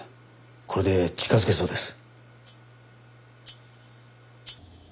これで近づけそうです。